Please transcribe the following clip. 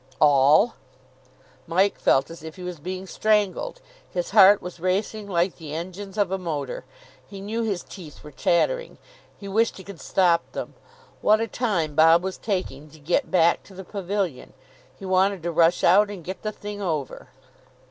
All!... Mike felt as if he was being strangled. His heart was racing like the engines of a motor. He knew his teeth were chattering. He wished he could stop them. What a time Bob was taking to get back to the pavilion! He wanted to rush out, and get the thing over.